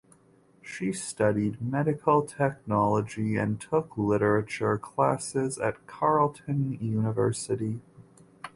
She studied medical technology and took literature classes at Carleton University.